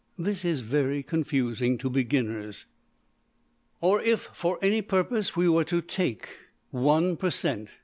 This is very confusing to beginners.} Or, if for any purpose we were to take $1$~per~cent.